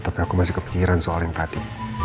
tapi aku masih kepikiran soal yang tadi